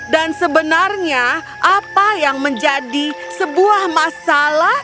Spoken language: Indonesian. dan sebenarnya apa yang menjadi sebuah masalah tanpa alasan